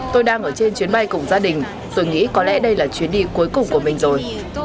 tôi đang ở trên chuyến bay cùng gia đình tôi nghĩ có lẽ đây là chuyến đi cuối cùng của mình rồi